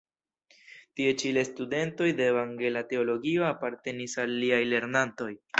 Tie ĉi la studentoj de evangela teologio apartenis al liaj lernantoj.